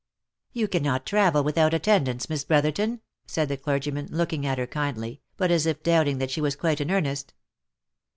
" You cannot travel without attendants, Miss Brotherton ?" said, the clergyman, looking at her kindly, but as if doubting that she was quite in earnest.